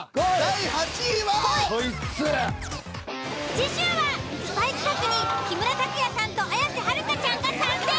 次週はスパイ企画に木村拓哉さんと綾瀬はるかちゃんが参戦！